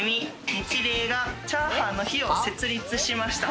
ニチレイがチャーハンの日を設立しました。